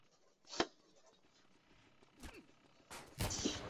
坦帕湾海盗是一支位于佛罗里达州的坦帕湾职业美式足球球队。